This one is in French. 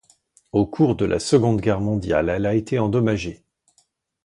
Au cours de la Seconde Guerre mondiale elle a été endommagée.